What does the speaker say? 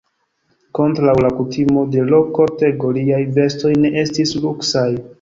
Kontraŭ la kutimo de l' kortego, liaj vestoj ne estis luksaj.